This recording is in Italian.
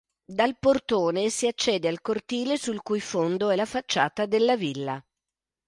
Dal portone si accede al cortile sul cui fondo è la facciata della villa.